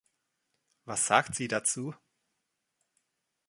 Was sagt sie dazu?